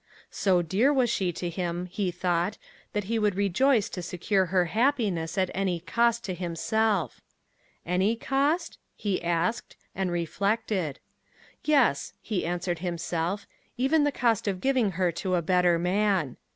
So dear was she to him, he thought, that he would rejoice to secure her happiness at any cost to himself. Any cost? he asked and reflected. Yes, he answered himself even the cost of giving her to a better man.